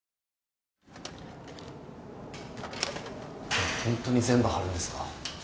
これホントに全部貼るんですか？